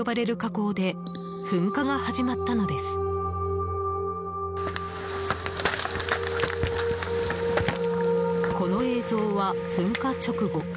この映像は、噴火直後。